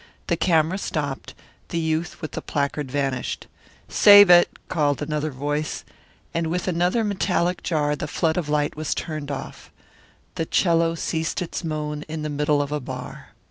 The camera stopped, the youth with the placard vanished. "Save it," called another voice, and with another metallic jar the flood of light was turned off. The 'cello ceased its moan in the middle of a bar.